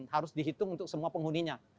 harus dihitung untuk semua penghuninya